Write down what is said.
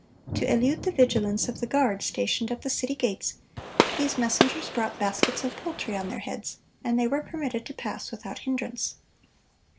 To elude the vigilance of the guard stationed at the city gates, these messengers brought baskets of poultry on their heads, and they were permitted to pass without hindrance.